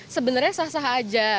sebenarnya sah sah aja